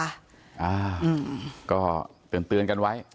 อ่าก็เตือนกันไว้